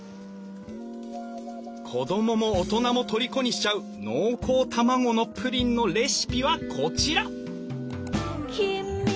子供も大人もとりこにしちゃう濃厚卵のプリンのレシピはこちら！